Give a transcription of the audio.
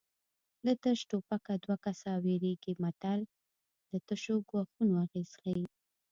د تش ټوپکه دوه کسه ویرېږي متل د تشو ګواښونو اغېز ښيي